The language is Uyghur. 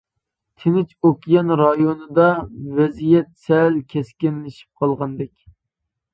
تىنچ ئوكيان رايونىدا ۋەزىيەت سەل كەسكىنلىشىپ قالغاندەك.